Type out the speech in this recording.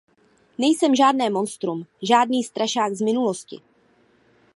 Nejsem žádné monstrum, žádný strašák z minulosti.